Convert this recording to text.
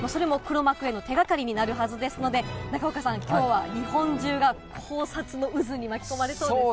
それも黒幕への手がかりになるはずですので、中岡さん、きょうは日本中が考察の渦に巻き込まれそうですね。